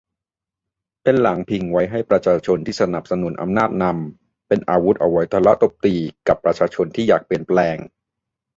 เป็นหลังพิงไว้ให้ประชาชนที่สนับสนุนอำนาจนำ เป็นอาวุธเอาไว้ทะเลาะตบตีกับประชาชนที่อยากเปลี่ยนแปลง